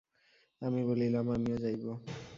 আমি বলিলাম, আমিও যাইব।